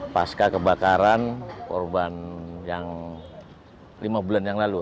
pasca kebakaran korban yang lima bulan yang lalu